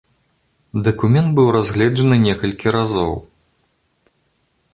Дакумент быў разгледжаны некалькі разоў.